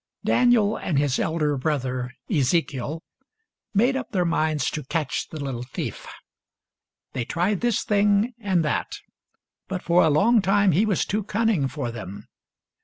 Daniel and his elder brother Ezekiel made up their minds to catch the little thief. They tried this thing and that, but for a long time he was too cunning for them.